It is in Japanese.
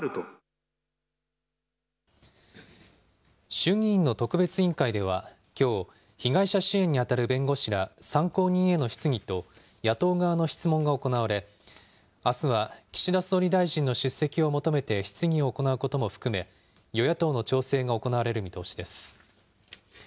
衆議院の特別委員会ではきょう、被害者支援に当たる弁護士ら参考人への質疑と、野党側の質問が行われ、あすは岸田総理大臣の出席を求めて質疑を行うことも含め、与野党の調整が行われる見通しです。